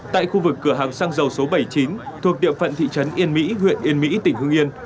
tại khu vực cửa hàng xăng dầu số bảy mươi chín thuộc địa phận thị trấn yên mỹ huyện yên mỹ tỉnh hưng yên